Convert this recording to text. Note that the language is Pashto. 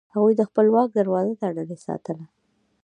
هغوی د خپل واک دروازه تړلې ساتله.